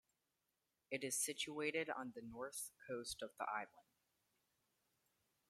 It is situated on the north coast of the island.